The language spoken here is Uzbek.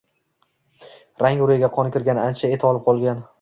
Rang-ro`yiga qon kirgan, ancha et olib qolgan